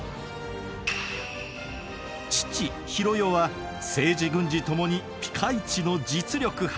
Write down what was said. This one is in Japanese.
父弘世は政治・軍事共にピカイチの実力派。